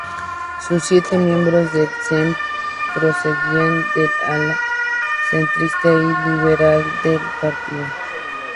Sus siete miembros del Sejm procedían del ala centrista y liberal del partido.